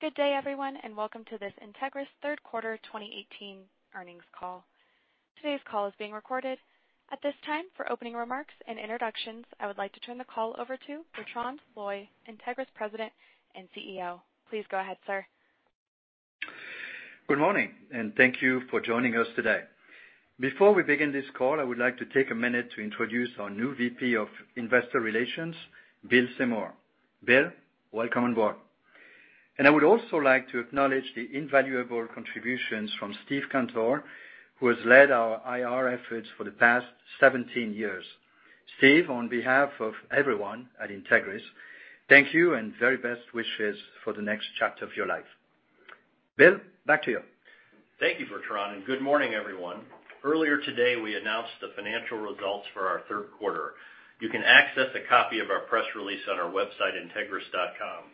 Good day, everyone, and welcome to this Entegris third quarter 2018 earnings call. Today's call is being recorded. At this time, for opening remarks and introductions, I would like to turn the call over to Bertrand Loy, Entegris President and CEO. Please go ahead, sir. Good morning. Thank you for joining us today. Before we begin this call, I would like to take a minute to introduce our new VP of Investor Relations, Bill Seymour. Bill, welcome on board. I would also like to acknowledge the invaluable contributions from Steve Cantor, who has led our IR efforts for the past 17 years. Steve, on behalf of everyone at Entegris, thank you, and very best wishes for the next chapter of your life. Bill, back to you. Thank you, Bertrand. Good morning, everyone. Earlier today, we announced the financial results for our third quarter. You can access a copy of our press release on our website, entegris.com.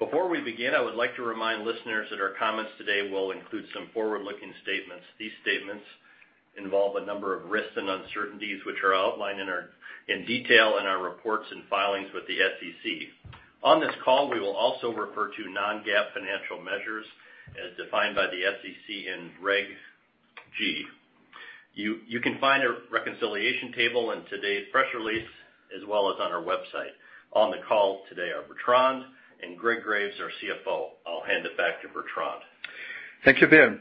Before we begin, I would like to remind listeners that our comments today will include some forward-looking statements. These statements involve a number of risks and uncertainties which are outlined in detail in our reports and filings with the SEC. On this call, we will also refer to non-GAAP financial measures as defined by the SEC in Regulation G. You can find a reconciliation table in today's press release, as well as on our website. On the call today are Bertrand and Gregory Graves, our CFO. I'll hand it back to Bertrand. Thank you, Bill.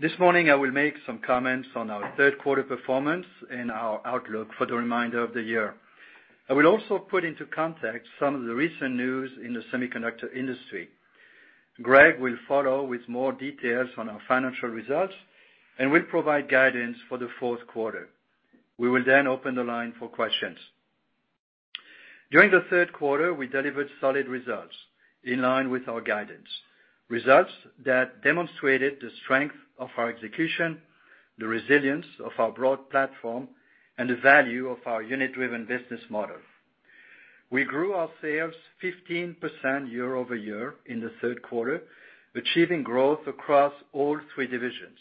This morning, I will make some comments on our third quarter performance and our outlook for the remainder of the year. I will also put into context some of the recent news in the semiconductor industry. Greg will follow with more details on our financial results and will provide guidance for the fourth quarter. We will then open the line for questions. During the third quarter, we delivered solid results in line with our guidance, results that demonstrated the strength of our execution, the resilience of our broad platform, and the value of our unit-driven business model. We grew our sales 15% year-over-year in the third quarter, achieving growth across all three divisions,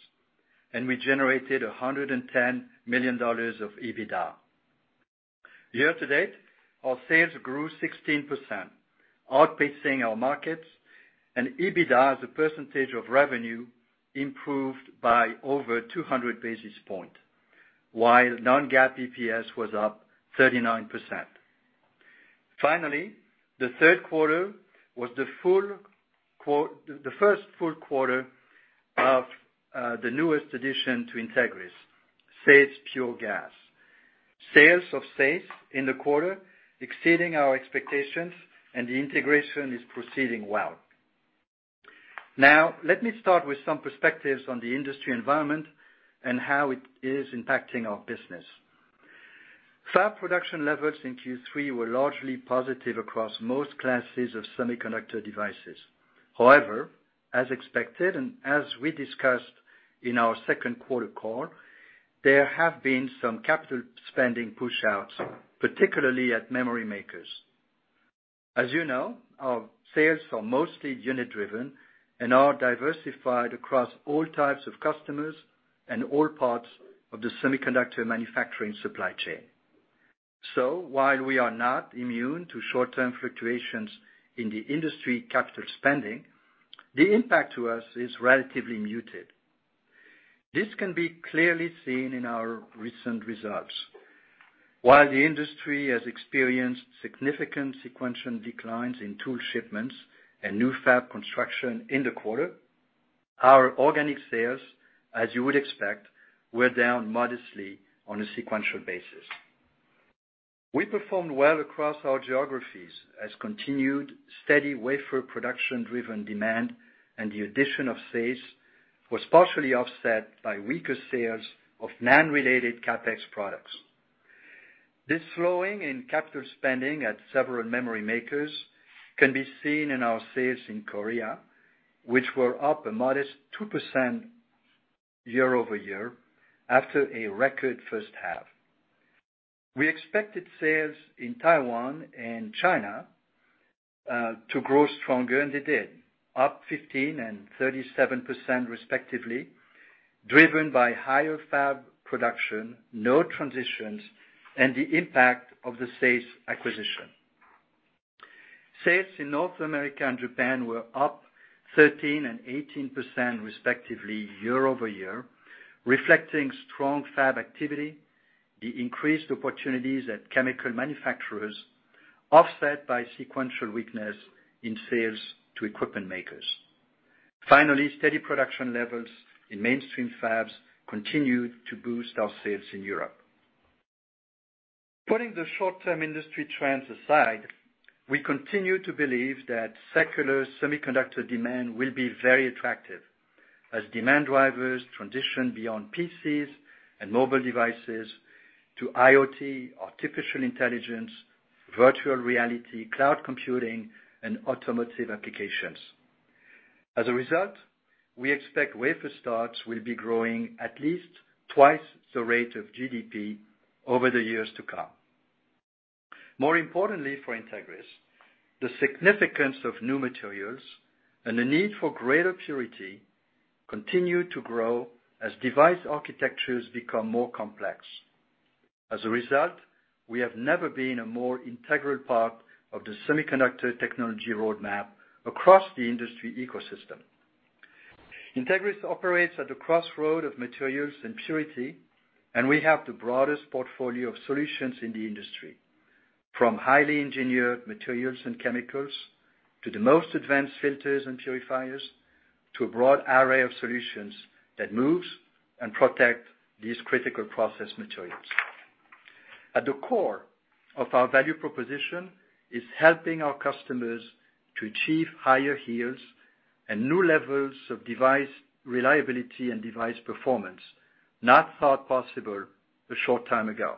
and we generated $110 million of EBITDA. Year to date, our sales grew 16%, outpacing our markets, and EBITDA as a percentage of revenue improved by over 200 basis points, while non-GAAP EPS was up 39%. Finally, the third quarter was the first full quarter of the newest addition to Entegris, SAES Pure Gas. Sales of SAES in the quarter exceeding our expectations, and the integration is proceeding well. Let me start with some perspectives on the industry environment and how it is impacting our business. Fab production levels in Q3 were largely positive across most classes of semiconductor devices. However, as expected and as we discussed in our second quarter call, there have been some capital spending pushouts, particularly at memory makers. As you know, our sales are mostly unit driven and are diversified across all types of customers and all parts of the semiconductor manufacturing supply chain. While we are not immune to short-term fluctuations in the industry capital spending, the impact to us is relatively muted. This can be clearly seen in our recent results. While the industry has experienced significant sequential declines in tool shipments and new fab construction in the quarter, our organic sales, as you would expect, were down modestly on a sequential basis. We performed well across our geographies as continued steady wafer production-driven demand and the addition of SAES was partially offset by weaker sales of NAND-related CapEx products. This slowing in capital spending at several memory makers can be seen in our sales in Korea, which were up a modest 2% year-over-year after a record first half. We expected sales in Taiwan and China, to grow stronger, and they did, up 15% and 37% respectively, driven by higher fab production, node transitions, and the impact of the SAES acquisition. Sales in North America and Japan were up 13% and 18% respectively year-over-year, reflecting strong fab activity, the increased opportunities at chemical manufacturers offset by sequential weakness in sales to equipment makers. Steady production levels in mainstream fabs continued to boost our sales in Europe. Putting the short-term industry trends aside, we continue to believe that secular semiconductor demand will be very attractive as demand drivers transition beyond PCs and mobile devices to IoT, artificial intelligence, virtual reality, cloud computing, and automotive applications. We expect wafer starts will be growing at least twice the rate of GDP over the years to come. More importantly for Entegris, the significance of new materials and the need for greater purity continue to grow as device architectures become more complex. We have never been a more integral part of the semiconductor technology roadmap across the industry ecosystem. Entegris operates at the crossroad of materials and purity, and we have the broadest portfolio of solutions in the industry, from highly engineered materials and chemicals, to the most advanced filters and purifiers, to a broad array of solutions that moves and protect these critical process materials. At the core of our value proposition is helping our customers to achieve higher yields and new levels of device reliability and device performance, not thought possible a short time ago.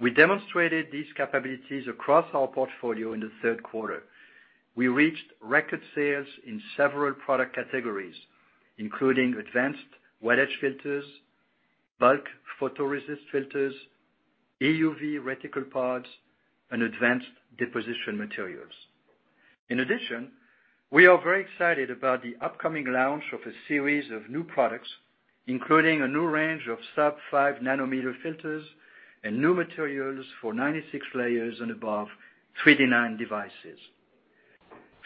We demonstrated these capabilities across our portfolio in the third quarter. We reached record sales in several product categories, including advanced wet etch filters, bulk photoresist filters, EUV reticle pods, and Advanced Deposition Materials. In addition, we are very excited about the upcoming launch of a series of new products, including a new range of sub-5 nm filters and new materials for 96 layers and above 3D NAND devices.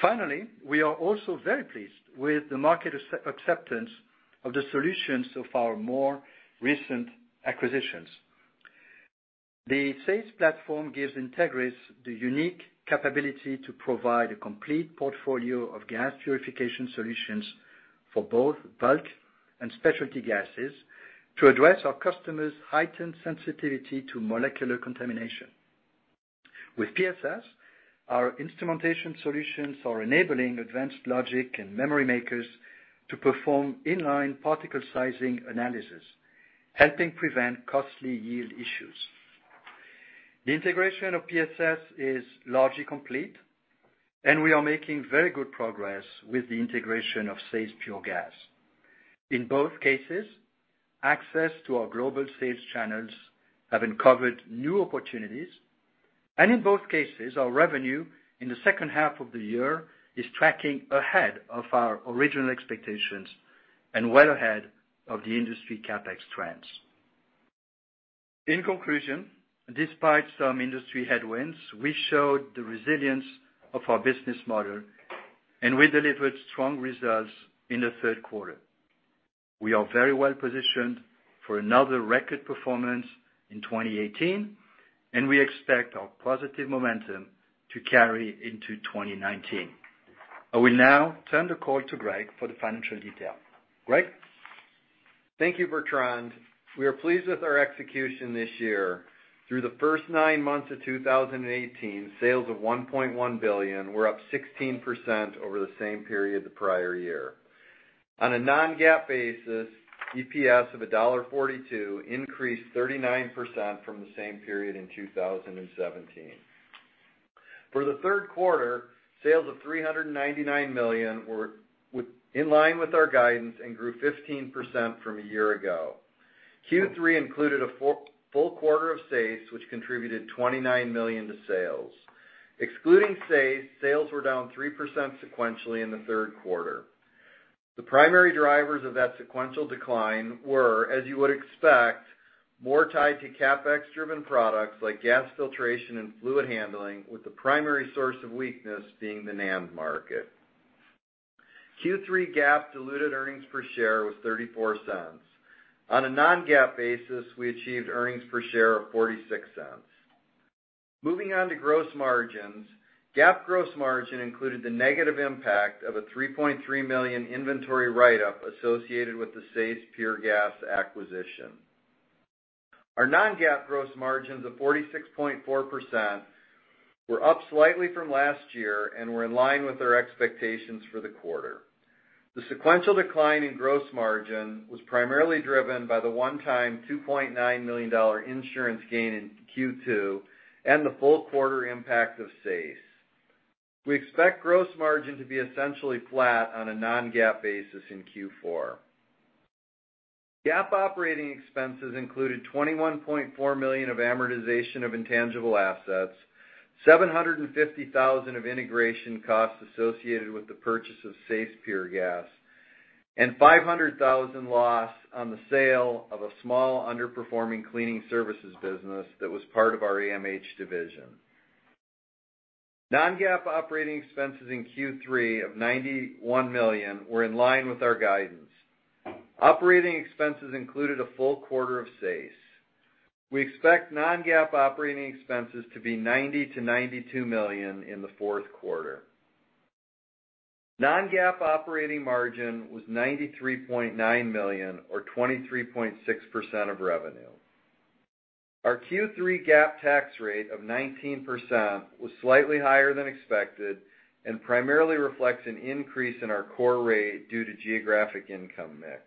Finally, we are also very pleased with the market acceptance of the solutions of our more recent acquisitions. The SAES platform gives Entegris the unique capability to provide a complete portfolio of gas purification solutions for both bulk and specialty gases to address our customers' heightened sensitivity to molecular contamination. With PSS, our instrumentation solutions are enabling advanced logic and memory makers to perform in-line particle sizing analysis, helping prevent costly yield issues. The integration of PSS is largely complete, and we are making very good progress with the integration of SAES Pure Gas. In both cases, access to our global sales channels have uncovered new opportunities, and in both cases, our revenue in the second half of the year is tracking ahead of our original expectations and well ahead of the industry CapEx trends. In conclusion, despite some industry headwinds, we showed the resilience of our business model, and we delivered strong results in the third quarter. We are very well positioned for another record performance in 2018, and we expect our positive momentum to carry into 2019. I will now turn the call to Greg for the financial detail. Greg? Thank you, Bertrand. We are pleased with our execution this year. Through the first nine months of 2018, sales of $1.1 billion were up 16% over the same period the prior year. On a non-GAAP basis, EPS of $1.42 increased 39% from the same period in 2017. For the third quarter, sales of $399 million were in line with our guidance and grew 15% from a year ago. Q3 included a full quarter of SAES, which contributed $29 million to sales. Excluding SAES, sales were down 3% sequentially in the third quarter. The primary drivers of that sequential decline were, as you would expect, more tied to CapEx-driven products like gas filtration and fluid handling, with the primary source of weakness being the NAND market. Q3 GAAP diluted earnings per share was $0.34. On a non-GAAP basis, we achieved earnings per share of $0.46. Moving on to gross margins. GAAP gross margin included the negative impact of a $3.3 million inventory write-up associated with the SAES Pure Gas acquisition. Our non-GAAP gross margins of 46.4% were up slightly from last year and were in line with our expectations for the quarter. The sequential decline in gross margin was primarily driven by the one-time $2.9 million insurance gain in Q2 and the full quarter impact of SAES. We expect gross margin to be essentially flat on a non-GAAP basis in Q4. GAAP operating expenses included $21.4 million of amortization of intangible assets, $750,000 of integration costs associated with the purchase of SAES Pure Gas, and $500,000 loss on the sale of a small underperforming cleaning services business that was part of our AMH division. Non-GAAP operating expenses in Q3 of $91 million were in line with our guidance. Operating expenses included a full quarter of SAES. We expect non-GAAP operating expenses to be $90 million-$92 million in the fourth quarter. Non-GAAP operating margin was $93.9 million or 23.6% of revenue. Our Q3 GAAP tax rate of 19% was slightly higher than expected and primarily reflects an increase in our core rate due to geographic income mix.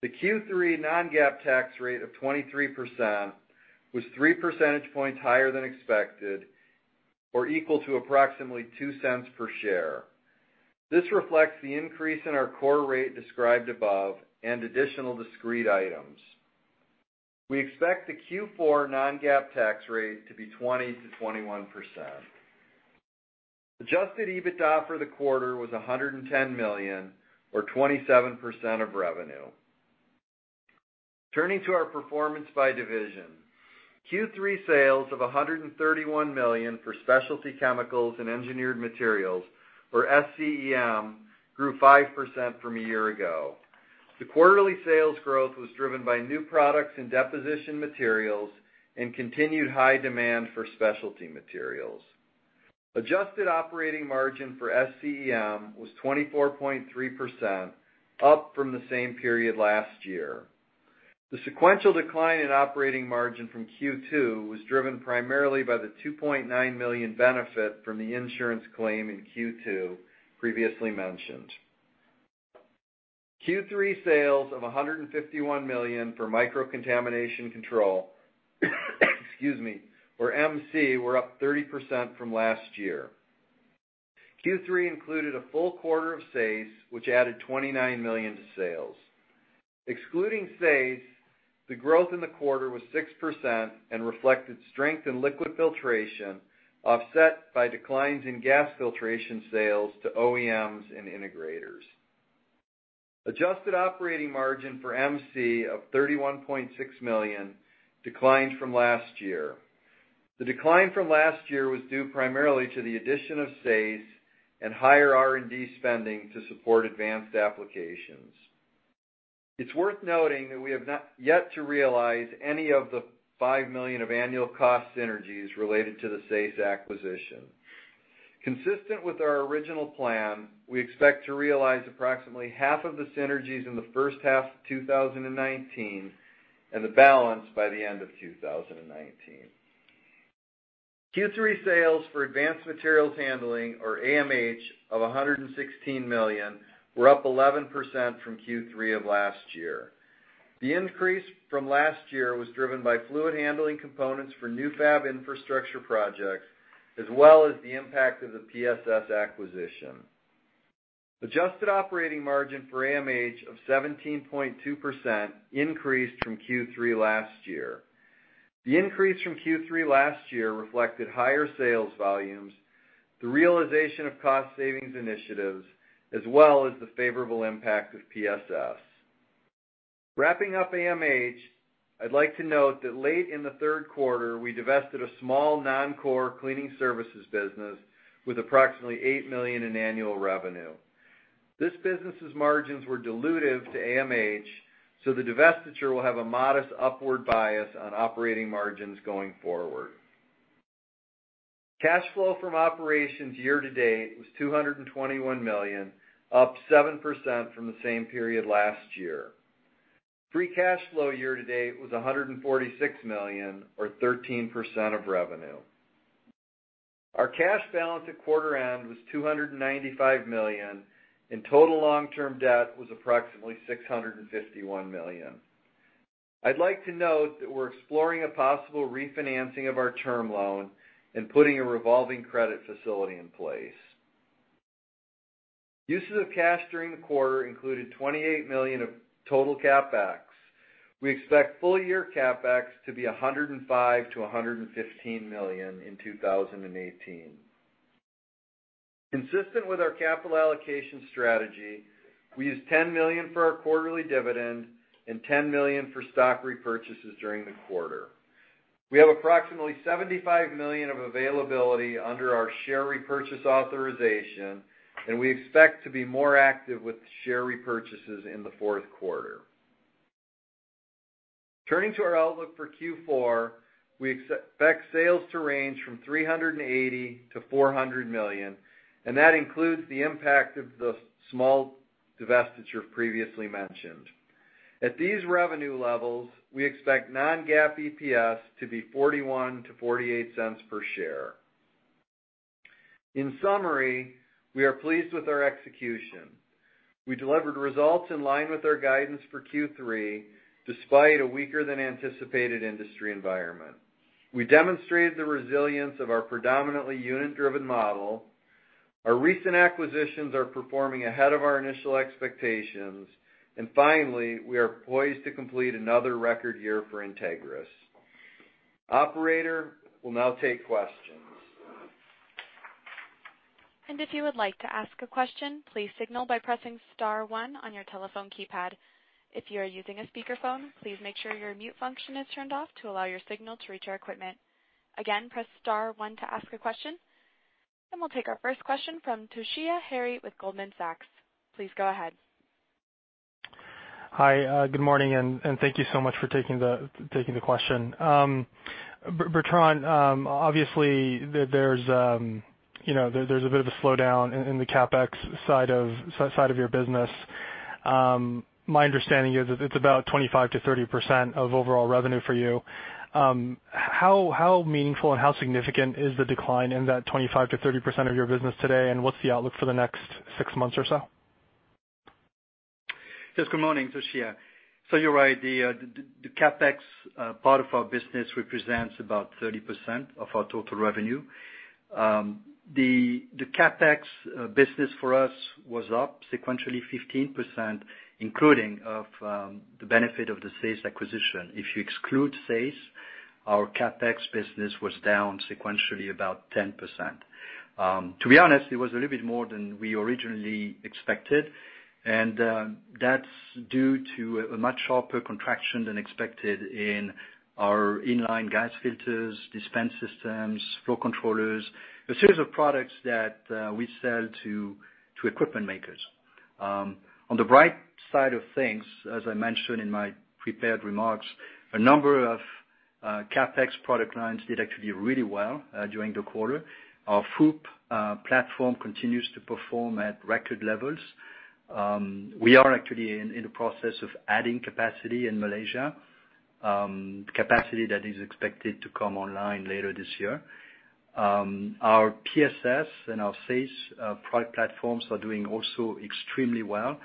The Q3 non-GAAP tax rate of 23% was 3 percentage points higher than expected or equal to approximately $0.02 per share. This reflects the increase in our core rate described above and additional discrete items. We expect the Q4 non-GAAP tax rate to be 20%-21%. Adjusted EBITDA for the quarter was $110 million or 27% of revenue. Turning to our performance by division. Q3 sales of $131 million for Specialty Chemicals and Engineered Materials, or SCEM, grew 5% from a year ago. The quarterly sales growth was driven by new products and deposition materials and continued high demand for specialty materials. Adjusted operating margin for SCEM was 24.3%, up from the same period last year. The sequential decline in operating margin from Q2 was driven primarily by the $2.9 million benefit from the insurance claim in Q2 previously mentioned. Q3 sales of $151 million for Microcontamination Control, excuse me, or MC, were up 30% from last year. Q3 included a full quarter of SAES, which added $29 million to sales. Excluding SAES, the growth in the quarter was 6% and reflected strength in liquid filtration, offset by declines in gas filtration sales to OEMs and integrators. Adjusted operating margin for MC of $31.6 million declined from last year. The decline from last year was due primarily to the addition of SAES and higher R&D spending to support advanced applications. It's worth noting that we have yet to realize any of the $5 million of annual cost synergies related to the SAES acquisition. Consistent with our original plan, we expect to realize approximately half of the synergies in the first half of 2019 and the balance by the end of 2019. Q3 sales for Advanced Materials Handling or AMH of $116 million, were up 11% from Q3 of last year. The increase from last year was driven by fluid handling components for new fab infrastructure projects, as well as the impact of the PSS acquisition. Adjusted operating margin for AMH of 17.2% increased from Q3 last year. The increase from Q3 last year reflected higher sales volumes, the realization of cost savings initiatives, as well as the favorable impact of PSS. Wrapping up AMH, I'd like to note that late in the third quarter, we divested a small non-core cleaning services business with approximately $8 million in annual revenue. This business's margins were dilutive to AMH, so the divestiture will have a modest upward bias on operating margins going forward. Cash flow from operations year to date was $221 million, up 7% from the same period last year. Free cash flow year to date was $146 million or 13% of revenue. Our cash balance at quarter end was $295 million, and total long-term debt was approximately $651 million. I'd like to note that we're exploring a possible refinancing of our term loan and putting a revolving credit facility in place. Uses of cash during the quarter included $28 million of total CapEx. We expect full year CapEx to be $105 million-$115 million in 2018. Consistent with our capital allocation strategy, we used $10 million for our quarterly dividend and $10 million for stock repurchases during the quarter. We have approximately $75 million of availability under our share repurchase authorization, we expect to be more active with share repurchases in the fourth quarter. Turning to our outlook for Q4, we expect sales to range from $380 million-$400 million, that includes the impact of the small divestiture previously mentioned. At these revenue levels, we expect non-GAAP EPS to be $0.41-$0.48 per share. In summary, we are pleased with our execution. We delivered results in line with our guidance for Q3, despite a weaker-than-anticipated industry environment. We demonstrated the resilience of our predominantly unit-driven model. Our recent acquisitions are performing ahead of our initial expectations. Finally, we are poised to complete another record year for Entegris. Operator, we'll now take questions. If you would like to ask a question, please signal by pressing *1 on your telephone keypad. If you are using a speakerphone, please make sure your mute function is turned off to allow your signal to reach our equipment. Again, press *1 to ask a question. We'll take our first question from Toshiya Hari with Goldman Sachs. Please go ahead. Hi. Good morning, thank you so much for taking the question. Bertrand, obviously, there's a bit of a slowdown in the CapEx side of your business. My understanding is it's about 25%-30% of overall revenue for you. How meaningful and how significant is the decline in that 25%-30% of your business today, and what's the outlook for the next six months or so? Yes. Good morning, Toshiya. You're right, the CapEx part of our business represents about 30% of our total revenue. The CapEx business for us was up sequentially 15%, including of the benefit of the SAES acquisition. If you exclude SAES Our CapEx business was down sequentially about 10%. To be honest, it was a little bit more than we originally expected, and that's due to a much sharper contraction than expected in our in-line gas filters, dispense systems, flow controllers, a series of products that we sell to equipment makers. On the bright side of things, as I mentioned in my prepared remarks, a number of CapEx product lines did actually really well during the quarter. Our FOUP platform continues to perform at record levels. We are actually in the process of adding capacity in Malaysia, capacity that is expected to come online later this year. Our PSS and our SAES product platforms are doing also extremely well.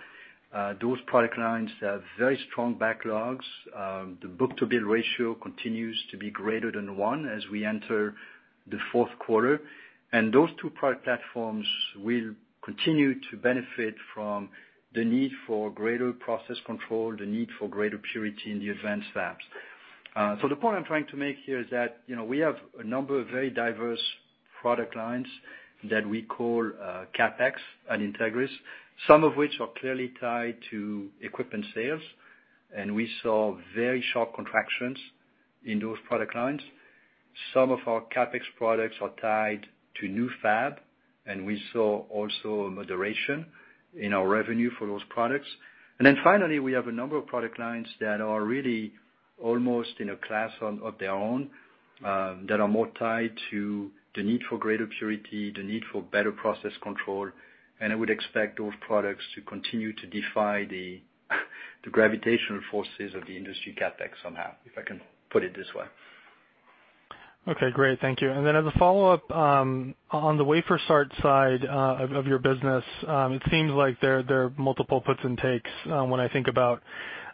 Those product lines have very strong backlogs. The book-to-bill ratio continues to be greater than one as we enter the fourth quarter, and those two product platforms will continue to benefit from the need for greater process control, the need for greater purity in the advanced fabs. The point I'm trying to make here is that, we have a number of very diverse product lines that we call CapEx at Entegris, some of which are clearly tied to equipment sales, and we saw very sharp contractions in those product lines. Some of our CapEx products are tied to new fab, and we saw also a moderation in our revenue for those products. Finally, we have a number of product lines that are really almost in a class of their own, that are more tied to the need for greater purity, the need for better process control, and I would expect those products to continue to defy the gravitational forces of the industry CapEx somehow, if I can put it this way. Okay, great. Thank you. As a follow-up, on the wafer start side of your business, it seems like there are multiple puts and takes when I think about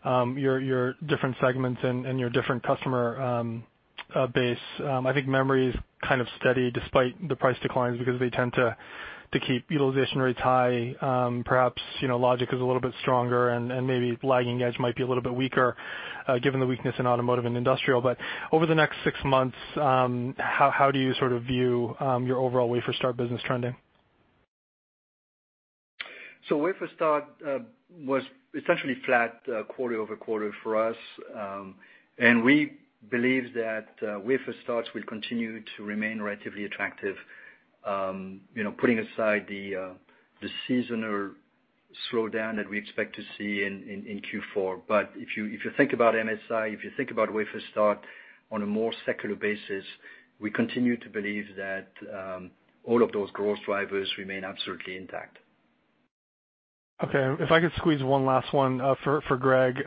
your different segments and your different customer base. I think memory's kind of steady despite the price declines because they tend to keep utilization rates high. Perhaps, logic is a little bit stronger and maybe lagging edge might be a little bit weaker, given the weakness in automotive and industrial. Over the next 6 months, how do you sort of view your overall wafer start business trending? Wafer start was essentially flat quarter-over-quarter for us. We believe that wafer starts will continue to remain relatively attractive, putting aside the seasonal slowdown that we expect to see in Q4. If you think about MSI, if you think about wafer start on a more secular basis, we continue to believe that all of those growth drivers remain absolutely intact. Okay. If I could squeeze one last one for Greg.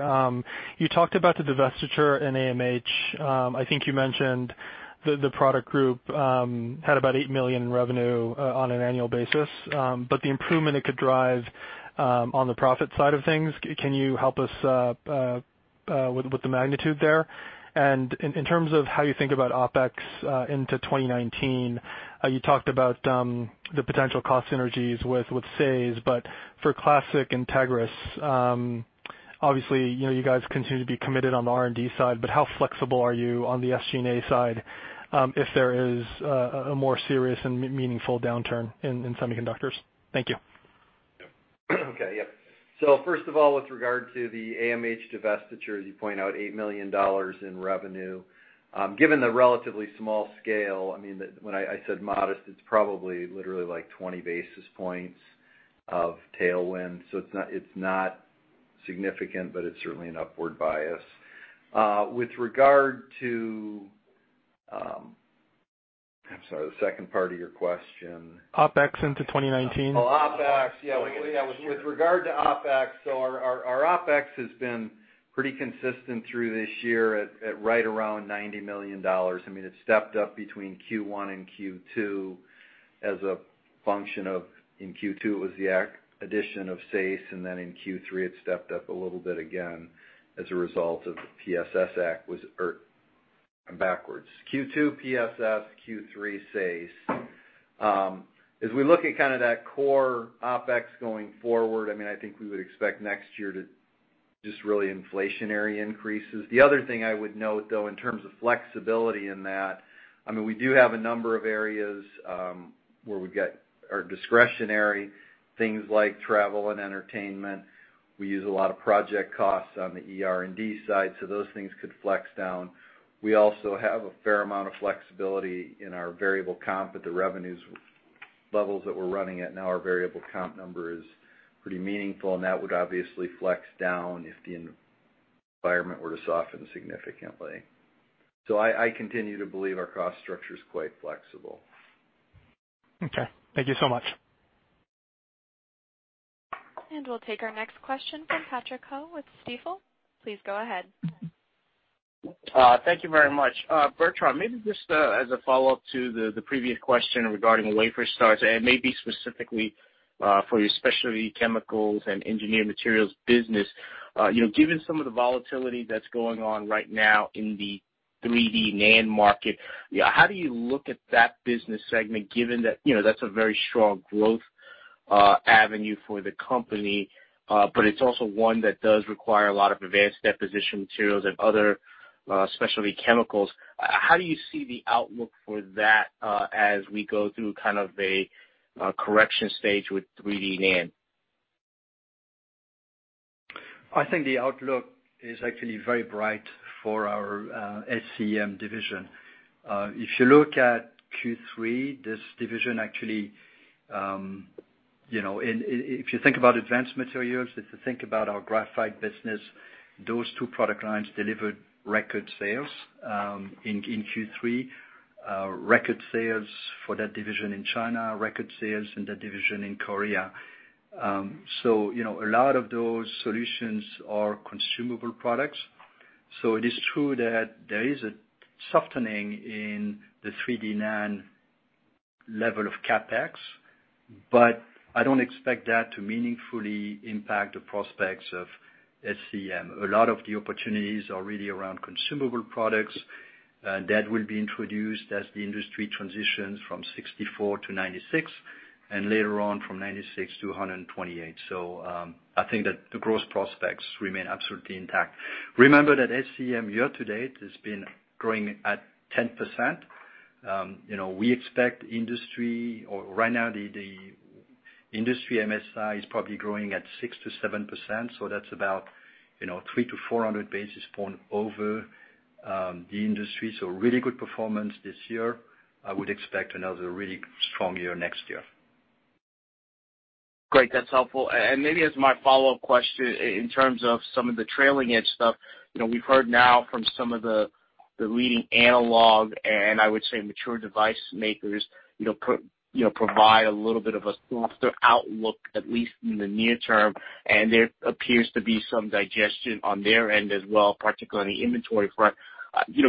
You talked about the divestiture in AMH. I think you mentioned the product group had about $8 million in revenue on an annual basis. The improvement it could drive on the profit side of things, can you help us with the magnitude there? In terms of how you think about OpEx into 2019, you talked about the potential cost synergies with SAES, for classic Entegris, obviously, you guys continue to be committed on the R&D side, how flexible are you on the SG&A side if there is a more serious and meaningful downturn in semiconductors? Thank you. Okay. Yeah. First of all, with regard to the AMH divestiture, as you point out, $8 million in revenue. Given the relatively small scale, when I said modest, it's probably literally like 20 basis points of tailwind. It's not significant, it's certainly an upward bias. With regard to I'm sorry, the second part of your question. OpEx into 2019. Oh, OpEx. Yeah. With regard to OpEx, our OpEx has been pretty consistent through this year at right around $90 million. It stepped up between Q1 and Q2 as a function of, in Q2, it was the addition of SAES, and then in Q3, it stepped up a little bit again as a result of the PSS acquisition. I'm backwards. Q2, PSS, Q3, SAES. We look at kind of that core OpEx going forward, I think we would expect next year to just really inflationary increases. The other thing I would note, though, in terms of flexibility in that, we do have a number of areas, where we got our discretionary, things like travel and entertainment. We use a lot of project costs on the ER&D side, those things could flex down. We also have a fair amount of flexibility in our variable comp at the revenues levels that we're running at now, our variable comp number is pretty meaningful, and that would obviously flex down if the environment were to soften significantly. I continue to believe our cost structure is quite flexible. Okay. Thank you so much. We'll take our next question from Patrick Ho with Stifel. Please go ahead. Thank you very much. Bertrand, maybe just as a follow-up to the previous question regarding wafer starts, and maybe specifically for your Specialty Chemicals and Engineered Materials business. Given some of the volatility that's going on right now in the 3D NAND market, how do you look at that business segment given that's a very strong growth-avenue for the company, but it's also one that does require a lot of Advanced Deposition Materials and other specialty chemicals. How do you see the outlook for that, as we go through kind of a correction stage with 3D NAND? I think the outlook is actually very bright for our SCEM division. If you look at Q3, this division actually— if you think about advanced materials, if you think about our graphite business, those two product lines delivered record sales in Q3. Record sales for that division in China, record sales in that division in Korea. A lot of those solutions are consumable products. It is true that there is a softening in the 3D NAND level of CapEx, but I don't expect that to meaningfully impact the prospects of SCEM. A lot of the opportunities are really around consumable products that will be introduced as the industry transitions from 64 to 96, and later on, from 96 to 128. I think that the growth prospects remain absolutely intact. Remember that SCEM, year-to-date, has been growing at 10%. We expect industry, or right now, the industry MSI is probably growing at 6%-7%, that's about 300-400 basis points over the industry. Really good performance this year. I would expect another really strong year next year. Great. That's helpful. Maybe as my follow-up question, in terms of some of the trailing edge stuff, we've heard now from some of the leading analog and, I would say, mature device makers provide a little bit of a softer outlook, at least in the near term, and there appears to be some digestion on their end as well, particularly on the inventory front.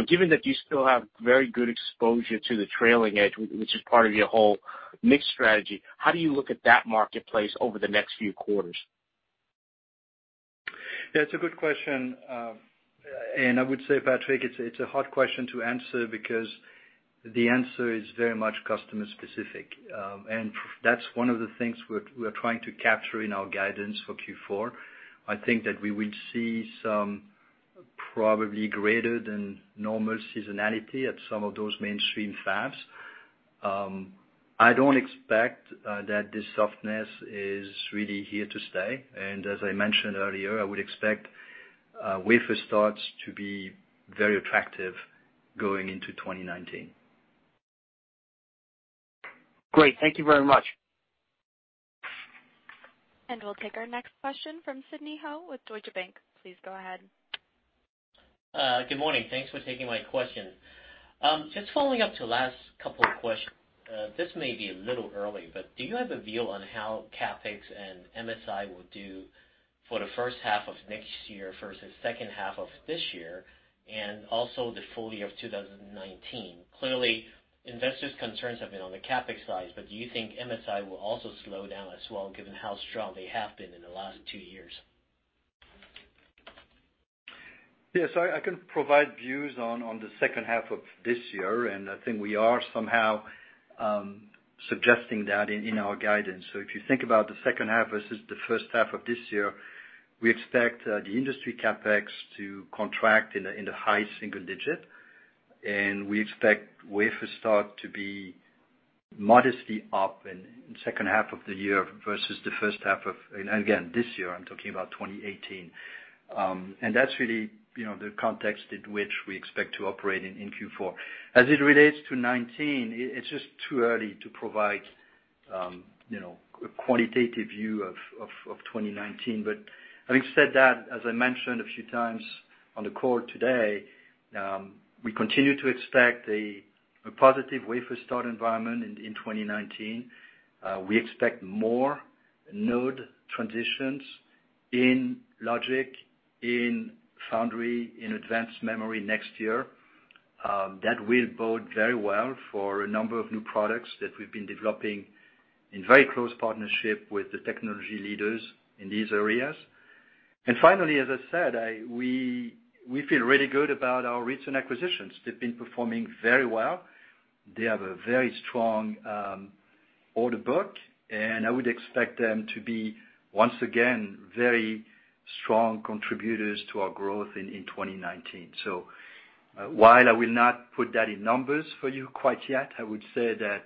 Given that you still have very good exposure to the trailing edge, which is part of your whole mix strategy, how do you look at that marketplace over the next few quarters? That's a good question. I would say, Patrick, it's a hard question to answer because the answer is very much customer specific. That's one of the things we're trying to capture in our guidance for Q4. I think that we will see some probably greater than normal seasonality at some of those mainstream fabs. I don't expect that this softness is really here to stay. As I mentioned earlier, I would expect wafer starts to be very attractive going into 2019. Great. Thank you very much. We'll take our next question from Sidney Ho with Deutsche Bank. Please go ahead. Good morning. Thanks for taking my question. Just following up to last couple of questions. This may be a little early, but do you have a view on how CapEx and MSI will do for the first half of next year versus second half of this year, and also the full year of 2019? Clearly, investors' concerns have been on the CapEx side, but do you think MSI will also slow down as well given how strong they have been in the last two years? Yes. I can provide views on the second half of this year, I think we are somehow suggesting that in our guidance. If you think about the second half versus the first half of this year, we expect the industry CapEx to contract in the high single digit, we expect wafer start to be modestly up in the second half of the year versus the first half of, and again, this year, I'm talking about 2018. That's really the context in which we expect to operate in Q4. As it relates to 2019, it's just too early to provide a quantitative view of 2019. Having said that, as I mentioned a few times on the call today, we continue to expect a positive wafer start environment in 2019. We expect more node transitions in logic, in foundry, in advanced memory next year. That will bode very well for a number of new products that we've been developing in very close partnership with the technology leaders in these areas. Finally, as I said, we feel really good about our recent acquisitions. They've been performing very well. They have a very strong order book, and I would expect them to be, once again, very strong contributors to our growth in 2019. While I will not put that in numbers for you quite yet, I would say that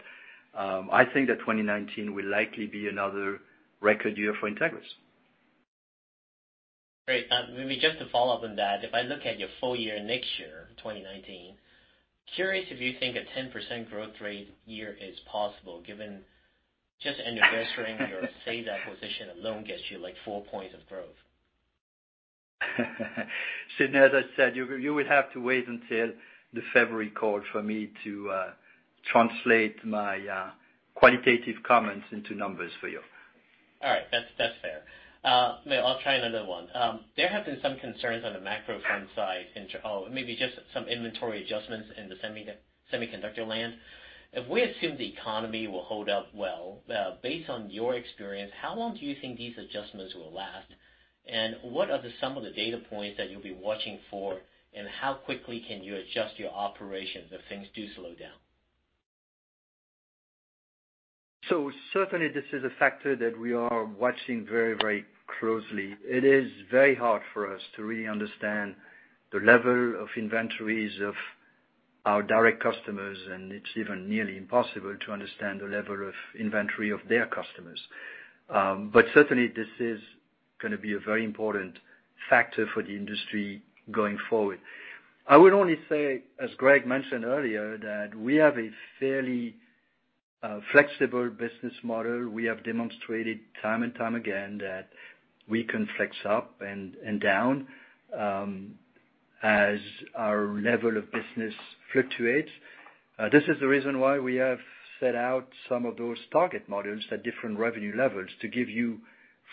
I think that 2019 will likely be another record year for Entegris. Great. Maybe just to follow up on that, if I look at your full year next year, 2019, curious if you think a 10% growth rate year is possible given just anniversarying- -your SAES acquisition alone gets you, like, four points of growth. Sidney, as I said, you will have to wait until the February call for me to translate my quantitative comments into numbers for you. All right. That's fair. Maybe I'll try another one. There have been some concerns on the macro front side maybe just some inventory adjustments in the semiconductor land. If we assume the economy will hold up well, based on your experience, how long do you think these adjustments will last? What are some of the data points that you'll be watching for, and how quickly can you adjust your operations if things do slow down? Certainly, this is a factor that we are watching very closely. It is very hard for us to really understand the level of inventories of our direct customers, and it's even nearly impossible to understand the level of inventory of their customers. Certainly, this is going to be a very important factor for the industry going forward. I would only say, as Greg mentioned earlier, that we have a fairly flexible business model. We have demonstrated time and time again that we can flex up and down as our level of business fluctuates. This is the reason why we have set out some of those target models at different revenue levels to give you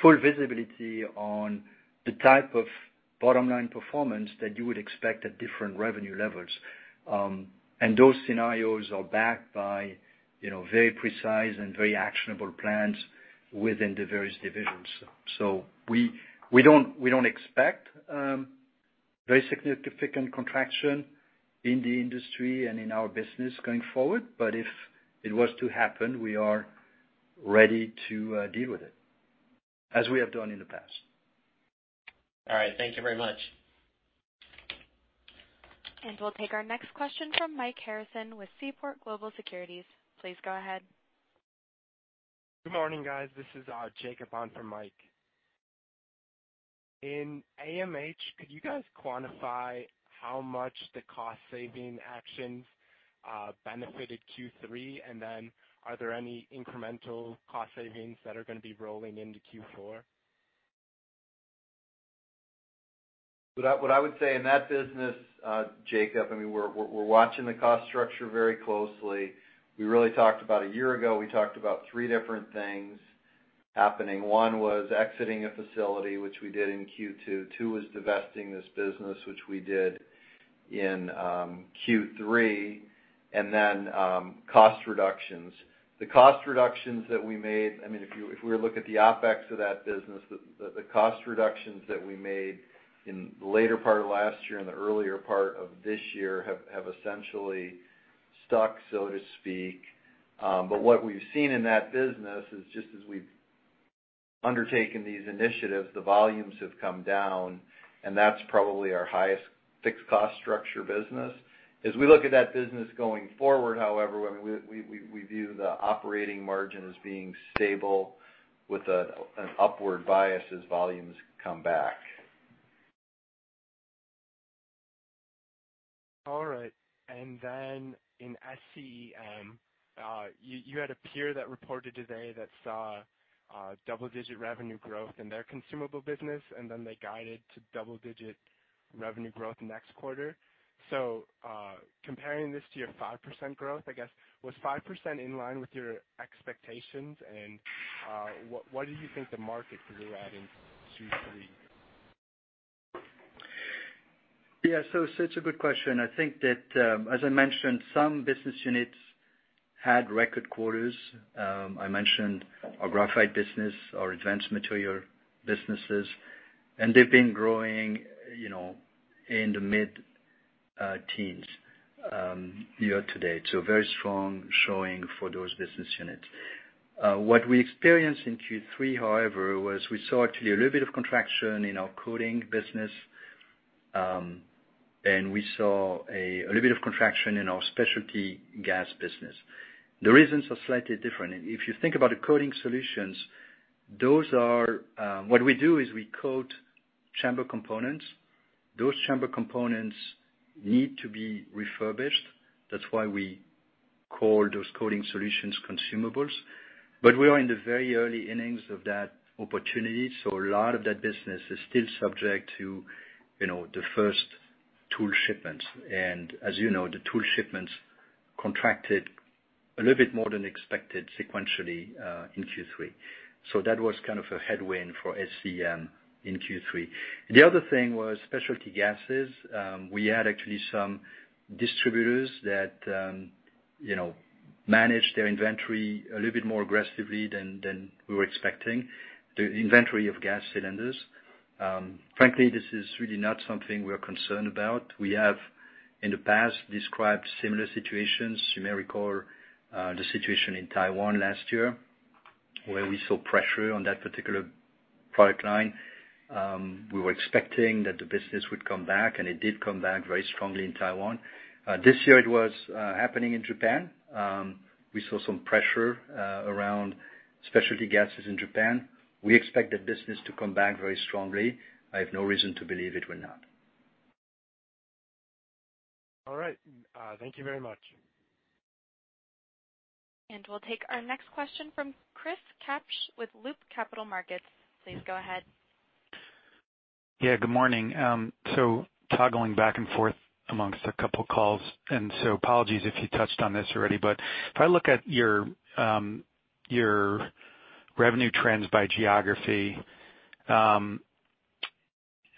full visibility on the type of bottom-line performance that you would expect at different revenue levels. Those scenarios are backed by very precise and very actionable plans within the various divisions. We don't expect very significant contraction in the industry and in our business going forward. If it was to happen, we are ready to deal with it, as we have done in the past. All right. Thank you very much. We'll take our next question from Mike Harrison with Seaport Global Securities. Please go ahead. Good morning, guys. This is Jacob on for Mike. In AMH, could you guys quantify how much the cost-saving actions benefited Q3? Then are there any incremental cost savings that are going to be rolling into Q4? What I would say in that business, Jacob, we're watching the cost structure very closely. We really talked about a year ago, we talked about three different things happening. One was exiting a facility, which we did in Q2. Two was divesting this business, which we did in Q3, and then cost reductions. The cost reductions that we made, if we were to look at the OpEx of that business, the cost reductions that we made in the later part of last year and the earlier part of this year have essentially stuck, so to speak. What we've seen in that business is just as we've undertaken these initiatives, the volumes have come down, and that's probably our highest fixed cost structure business. As we look at that business going forward, however, we view the operating margin as being stable with an upward bias as volumes come back. All right. In SCEM, you had a peer that reported today that saw double-digit revenue growth in their consumable business, and then they guided to double-digit revenue growth next quarter. Comparing this to your 5% growth, I guess, was 5% in line with your expectations? What do you think the market could be adding to those three? Yeah. It's a good question. I think that, as I mentioned, some business units had record quarters. I mentioned our graphite business, our advanced materials businesses, and they've been growing in the mid-teens year to date. Very strong showing for those business units. What we experienced in Q3, however, was we saw actually a little bit of contraction in our coating business, and we saw a little bit of contraction in our specialty gases business. The reasons are slightly different. If you think about the coating solutions, what we do is we code chamber components. Those chamber components need to be refurbished. That's why we call those coating solutions consumables. We are in the very early innings of that opportunity, so a lot of that business is still subject to the first tool shipments. As you know, the tool shipments contracted a little bit more than expected sequentially in Q3. That was kind of a headwind for SCEM in Q3. The other thing was specialty gases. We had actually some distributors that managed their inventory a little bit more aggressively than we were expecting, the inventory of gas cylinders. Frankly, this is really not something we're concerned about. We have in the past described similar situations. You may recall the situation in Taiwan last year, where we saw pressure on that particular product line. We were expecting that the business would come back, and it did come back very strongly in Taiwan. This year it was happening in Japan. We saw some pressure around specialty gases in Japan. We expect that business to come back very strongly. I have no reason to believe it will not. All right. Thank you very much. We'll take our next question from Chris Kapsch with Loop Capital Markets. Please go ahead. Yeah, good morning. Toggling back and forth amongst a couple of calls, apologies if you touched on this already. If I look at your revenue trends by geography.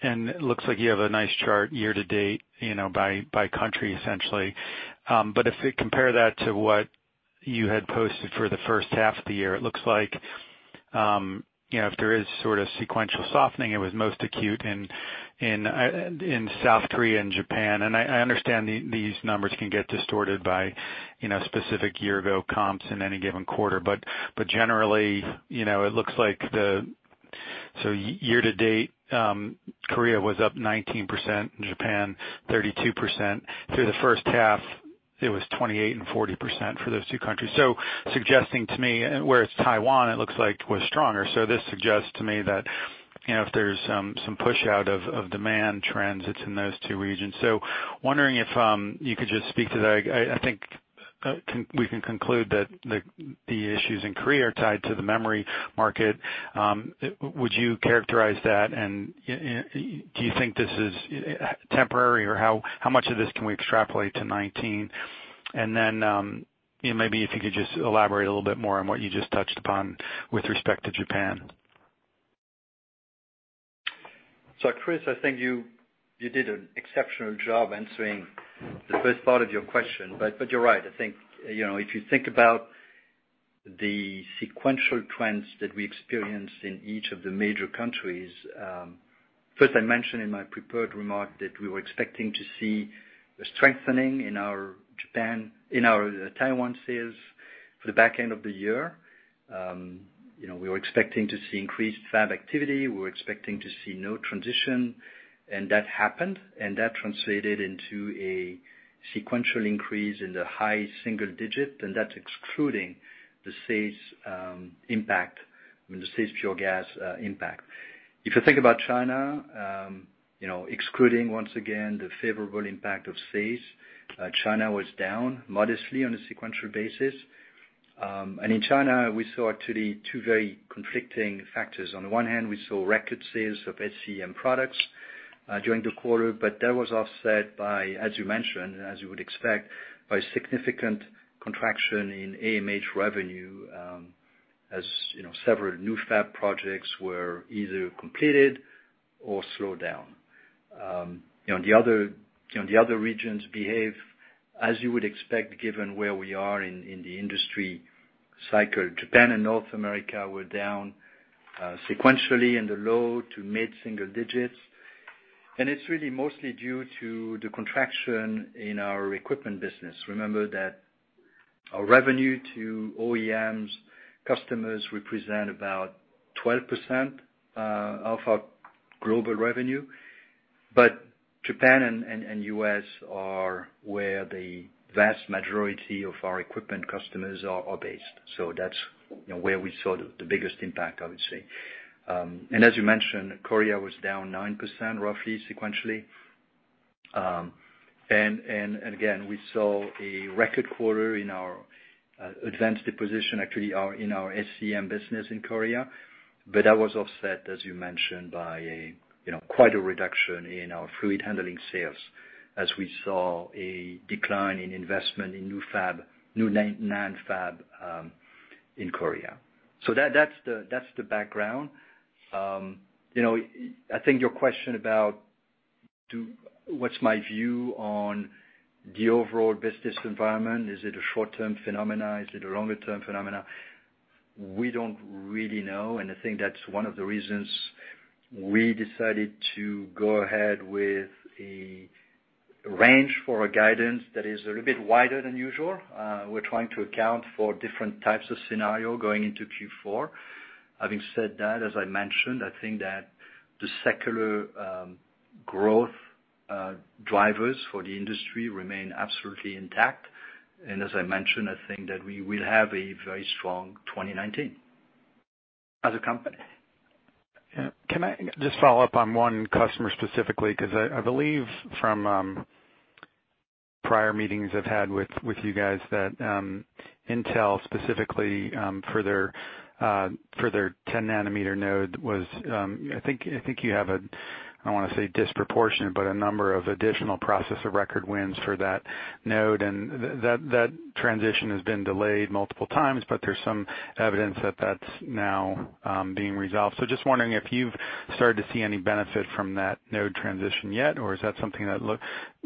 It looks like you have a nice chart year to date, by country, essentially. If we compare that to what you had posted for the first half of the year, it looks like, if there is sort of sequential softening, it was most acute in South Korea and Japan. I understand these numbers can get distorted by specific year ago comps in any given quarter. Generally, it looks like the year to date, Korea was up 19%, Japan 32%. Through the first half, it was 28% and 40% for those two countries. Suggesting to me, whereas Taiwan, it looks like, was stronger. This suggests to me that if there's some push out of demand trends, it's in those two regions. Wondering if you could just speak to that. I think we can conclude that the issues in Korea are tied to the memory market. Would you characterize that, and do you think this is temporary, or how much of this can we extrapolate to 2019? Then, maybe if you could just elaborate a little bit more on what you just touched upon with respect to Japan. Chris, I think you did an exceptional job answering the first part of your question. You're right. I think, if you think about the sequential trends that we experienced in each of the major countries, first, I mentioned in my prepared remark that we were expecting to see a strengthening in our Taiwan sales for the back end of the year. We were expecting to see increased fab activity. We were expecting to see node transition, and that happened, and that translated into a sequential increase in the high single-digit, and that's excluding the SAES impact, I mean, the SAES Pure Gas impact. If you think about China, excluding, once again, the favorable impact of SAES, China was down modestly on a sequential basis. In China, we saw actually two very conflicting factors. On one hand, we saw record sales of SCEM products during the quarter, but that was offset by, as you mentioned, as you would expect, by significant contraction in AMH revenue, as several new fab projects were either completed or slowed down. The other regions behave as you would expect, given where we are in the industry cycle. Japan and North America were down sequentially in the low to mid-single-digits, and it's really mostly due to the contraction in our equipment business. Remember that our revenue to OEMs customers represent about 12% of our global revenue. Japan and U.S. are where the vast majority of our equipment customers are based. That's where we saw the biggest impact, I would say. As you mentioned, Korea was down 9%, roughly, sequentially. Again, we saw a record quarter in our advanced deposition, actually in our SCEM business in Korea. But that was offset, as you mentioned, by quite a reduction in our fluid handling sales as we saw a decline in investment in new NAND fab in Korea. That's the background. I think your question about what's my view on the overall business environment, is it a short-term phenomena? Is it a longer-term phenomena? We don't really know, and I think that's one of the reasons we decided to go ahead with a range for our guidance that is a little bit wider than usual. We're trying to account for different types of scenario going into Q4. Having said that, as I mentioned, I think that the secular growth drivers for the industry remain absolutely intact. As I mentioned, I think that we will have a very strong 2019 as a company. Yeah. Can I just follow up on one customer specifically? Because I believe from prior meetings I've had with you guys that Intel, specifically for their 10 nanometer node was, I think you have a, I don't want to say disproportionate, but a number of additional process of record wins for that node, and that transition has been delayed multiple times, but there's some evidence that that's now being resolved. Just wondering if you've started to see any benefit from that node transition yet, or is that something that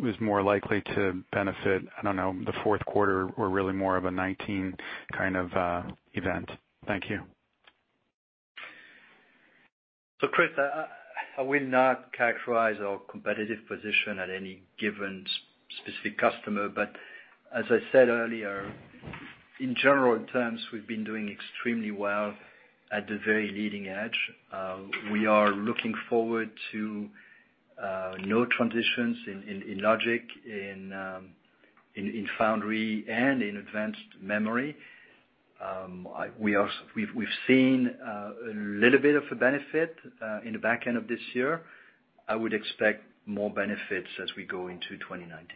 is more likely to benefit, I don't know, the fourth quarter or really more of a 2019 kind of event? Thank you. Chris, I will not characterize our competitive position at any given specific customer. As I said earlier, in general terms, we've been doing extremely well at the very leading edge. We are looking forward to node transitions in logic, in foundry, and in advanced memory. We've seen a little bit of a benefit in the back end of this year. I would expect more benefits as we go into 2019.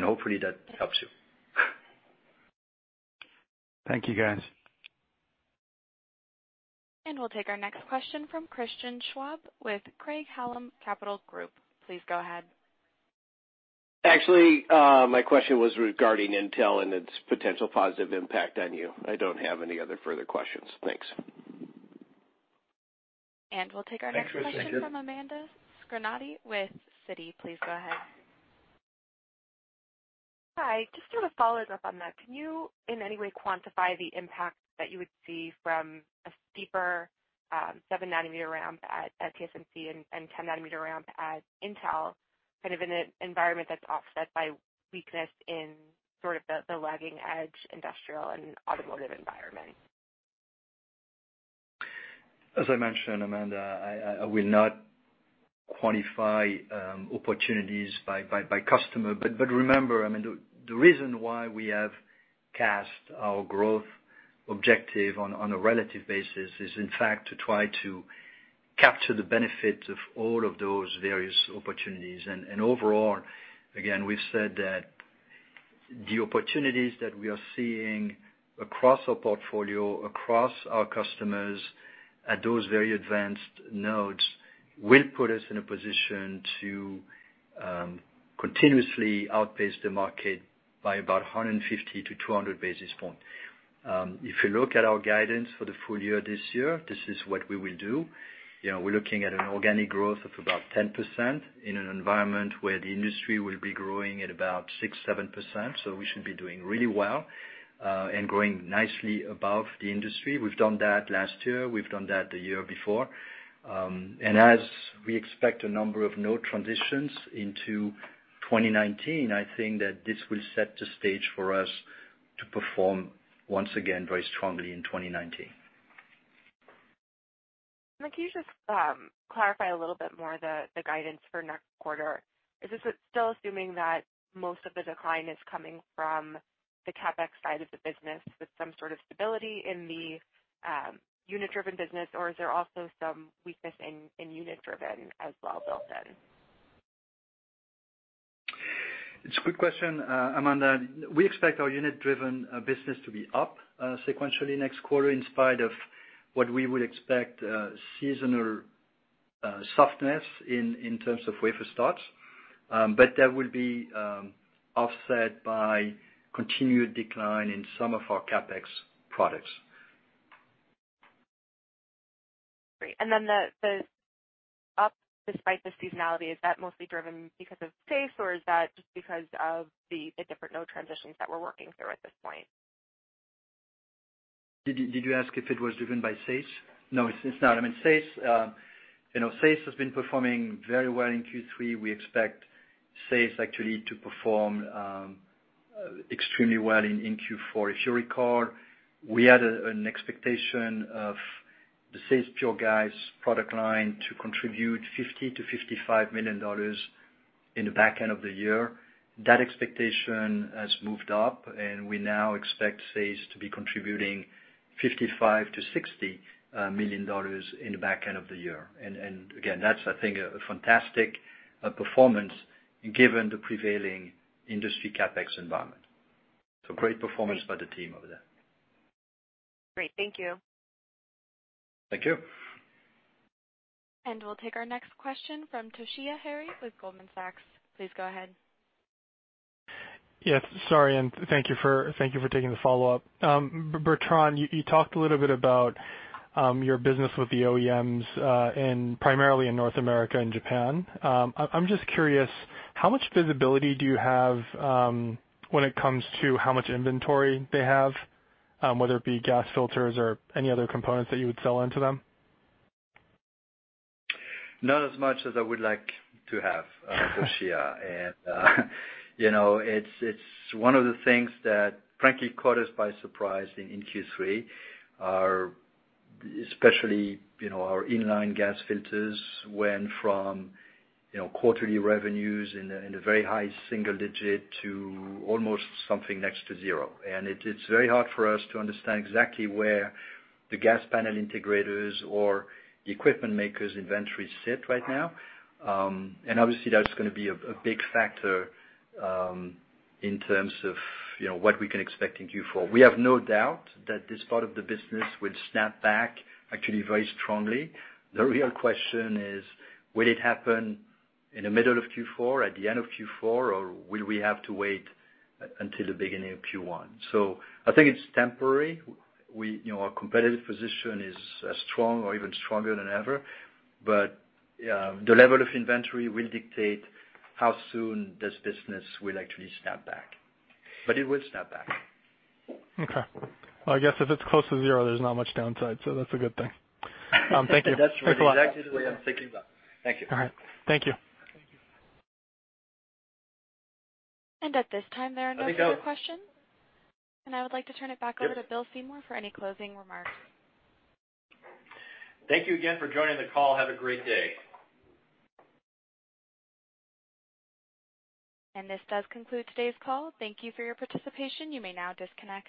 Hopefully, that helps you. Thank you, guys. We'll take our next question from Christian Schwab with Craig-Hallum Capital Group. Please go ahead. Actually, my question was regarding Intel and its potential positive impact on you. I don't have any other further questions. Thanks. We'll take our next question from Amanda Scarnati with Citi. Please go ahead. Hi. Just sort of following up on that, can you in any way quantify the impact that you would see from a steeper 7 nanometer ramp at TSMC and 10 nanometer ramp at Intel, kind of in an environment that's offset by weakness in sort of the lagging edge industrial and automotive environment? As I mentioned, Amanda, I will not quantify opportunities by customer. Remember, I mean, the reason why we have cast our growth objective on a relative basis is in fact to try to capture the benefit of all of those various opportunities. Overall, again, we've said that the opportunities that we are seeing across our portfolio, across our customers at those very advanced nodes will put us in a position to continuously outpace the market by about 150-200 basis points. If you look at our guidance for the full year this year, this is what we will do. We're looking at an organic growth of about 10% in an environment where the industry will be growing at about 6%, 7%. We should be doing really well, and growing nicely above the industry. We've done that last year. We've done that the year before. As we expect a number of node transitions into 2019, I think that this will set the stage for us to perform once again very strongly in 2019. Can you just clarify a little bit more the guidance for next quarter? Is this still assuming that most of the decline is coming from the CapEx side of the business with some sort of stability in the unit-driven business or is there also some weakness in unit-driven as well built in? It's a good question, Amanda. We expect our unit-driven business to be up sequentially next quarter in spite of what we would expect seasonal softness in terms of wafer starts. That will be offset by continued decline in some of our CapEx products. Great. Then the up despite the seasonality, is that mostly driven because of SAES or is that just because of the different node transitions that we're working through at this point? Did you ask if it was driven by SAES? No, it's not. I mean, SAES has been performing very well in Q3. We expect SAES actually to perform extremely well in Q4. If you recall, we had an expectation of the SAES Pure Gas product line to contribute $50 million to $55 million in the back end of the year. That expectation has moved up and we now expect SAES to be contributing $55 million to $60 million in the back end of the year. Again, that's, I think, a fantastic performance given the prevailing industry CapEx environment. Great performance by the team over there. Great. Thank you. Thank you. We'll take our next question from Toshiya Hari with Goldman Sachs. Please go ahead. Yes. Sorry, thank you for taking the follow-up. Bertrand, you talked a little bit about your business with the OEMs primarily in North America and Japan. I'm just curious, how much visibility do you have when it comes to how much inventory they have, whether it be gas filters or any other components that you would sell into them? Not as much as I would like to have, Toshiya. It's one of the things that frankly caught us by surprise in Q3 are especially our in-line gas filters went from quarterly revenues in a very high single digit to almost something next to zero. It's very hard for us to understand exactly where the gas panel integrators or the equipment makers' inventory sit right now. Obviously, that's going to be a big factor in terms of what we can expect in Q4. We have no doubt that this part of the business will snap back actually very strongly. The real question is, will it happen in the middle of Q4, at the end of Q4, or will we have to wait until the beginning of Q1? I think it's temporary. Our competitive position is as strong or even stronger than ever, the level of inventory will dictate how soon this business will actually snap back. It will snap back. Okay. I guess if it's close to zero, there's not much downside, that's a good thing. Thank you. That's exactly the way I'm thinking about it. Thank you. All right. Thank you. At this time, there are no further questions. I would like to turn it back over to Bill Seymour for any closing remarks. Thank you again for joining the call. Have a great day. This does conclude today's call. Thank you for your participation. You may now disconnect.